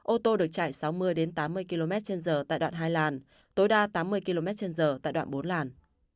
ô tô được chạy sáu mươi tám mươi km trên giờ tại đoạn hai làn tối đa tám mươi km trên giờ tại đoạn bốn làn